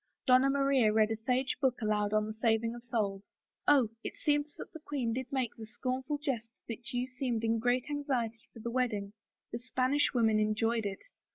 Donna Maria read a sage book aloud on the saving of souls — Ob, it seems that the queen did make the scornful jest that you seemed in great anxiety for the wedding. The Spanish women enjoyed it."